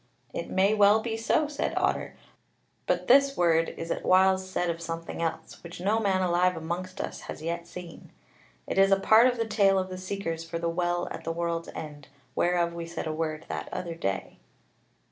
"It may well be so," said Otter; "but this word is at whiles said of something else, which no man alive amongst us has yet seen. It is a part of the tale of the seekers for the Well at the World's End, whereof we said a word that other day."